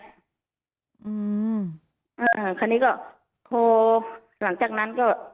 อืมอ่าคราวนี้ก็โทรหลังจากนั้นก็